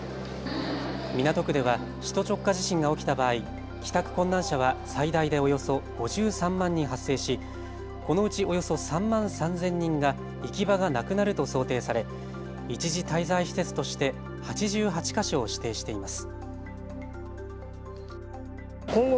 港区では首都直下地震が起きた場合、帰宅困難者は最大でおよそ５３万人発生しこのうちおよそ３万３０００人が行き場がなくなると想定され一時滞在施設として８８か所を指定しています。